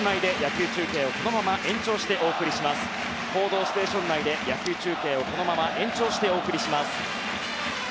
「報道ステーション」内で野球中継をこのまま延長してお送りします。